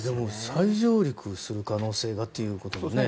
再上陸する可能性がということがね。